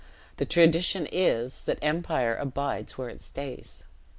The tradition is, that empire abides where it stays.